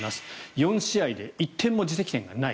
４試合で１点も自責点がない。